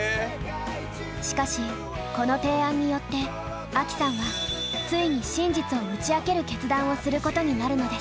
しかしこの提案によってアキさんはついに真実を打ち明ける決断をすることになるのです。